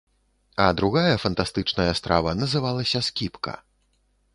А другая фантастычная страва называлася скібка.